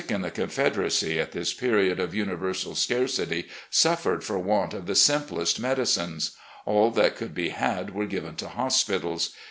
134 RECOLLECTIONS OP GENERAL LEE the Confederacy at this period of universal scarcity suffered for want of the simplest medicines. AU that could be had were given to hospitals.